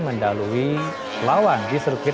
mendalui lawan di sirkuit